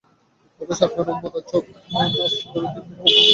অথচ আপনার উম্মত চোখ, কান ও অন্তরের দিক থেকে বনী ইসরাঈল থেকে দুর্বলতর।